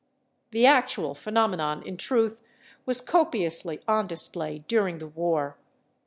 The actual phenomenon, in truth, was copiously on display during the war.